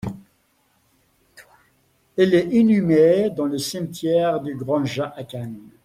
Il est inhumé dans le cimetière du Grand Jas à Cannes.